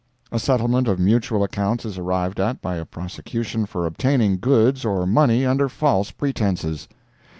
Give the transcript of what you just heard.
A settlement of mutual accounts is arrived at by a prosecution for obtaining goods or money under false pretenses.